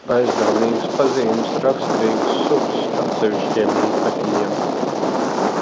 Aizdomīgas pazīmes raksturīgas sugas atsevišķiem īpatņiem.